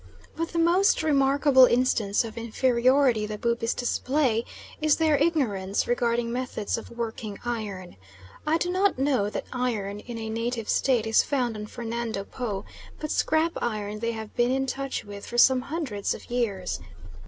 But the most remarkable instance of inferiority the Bubis display is their ignorance regarding methods of working iron. I do not know that iron in a native state is found on Fernando Po, but scrap iron they have been in touch with for some hundreds of years.